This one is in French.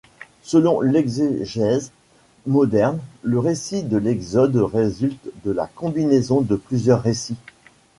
Selon l’exégèse moderne, le récit de l'Exode résulte de la combinaison de plusieurs récits.